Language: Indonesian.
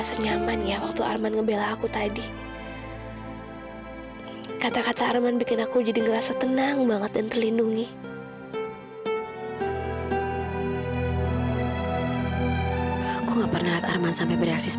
sampai jumpa di video selanjutnya